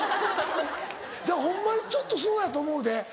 ホンマにちょっとそうやと思うで。